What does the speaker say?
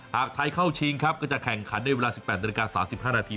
หากไทยเข้าชิงครับก็จะแข่งขันในเวลา๑๘นาฬิกา๓๕นาที